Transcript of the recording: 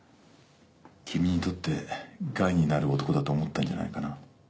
君にとって害になる男だと思ったんじゃないかな。